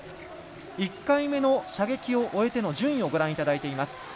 １回目の射撃を終えての順位をご覧いただいています。